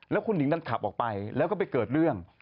แล้วคุณหิงดันขับออกไปแล้วก็ไปเกิดเรื่อง